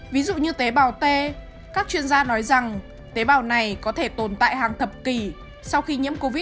ví dụ như tế bào t các chuyên gia nói rằng tế bào này có thể tồn tại hàng thập kỷ sau khi nhiễm covid một mươi chín